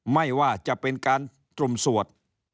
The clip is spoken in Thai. ไม่ว่าจะเป็นการตุ่มสวด